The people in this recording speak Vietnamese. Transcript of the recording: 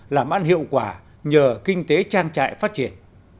làm ăn hiệu quả nhờ kinh tế trang trại phát triển